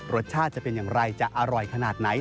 จะเป็นอย่างไรจะอร่อยขนาดไหน